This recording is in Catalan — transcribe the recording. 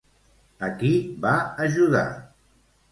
A qui va ajudar?